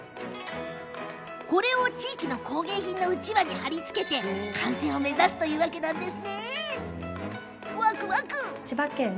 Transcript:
これを地域の工芸品のうちわに張り付けて完成を目指すといいます。